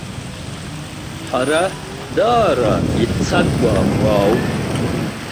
Ҳара даара иццакуа уаауп.